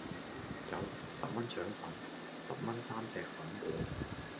有,十蚊腸粉,十蚊三隻粉果